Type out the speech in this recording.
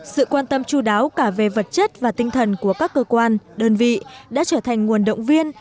sự quan tâm chú đáo cả về vật chất và tinh thần của các cơ quan đơn vị đã trở thành nguồn động viên